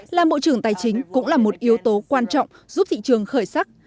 thị trường tài chính cũng là một yếu tố quan trọng giúp thị trường khởi sắc